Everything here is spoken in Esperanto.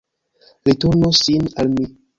Li turnos sin al mi.